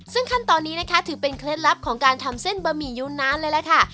ซึ่งขั้นตอนนี้นะคะถือเป็นเคล็ดลับของการทำเส้นบะหมี่ยูนานเลยล่ะค่ะ